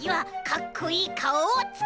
かっこいい。